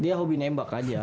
dia hobi nembak aja